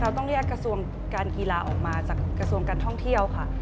ต้องเรียกกระทรวงการกีฬาออกมาจากกระทรวงการท่องเที่ยวค่ะ